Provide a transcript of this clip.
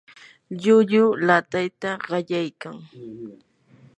llulluu laatayta qallaykan.